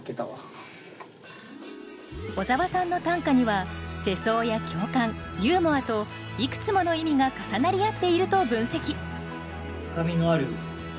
小沢さんの短歌には世相や共感ユーモアといくつもの意味が重なり合っていると分析。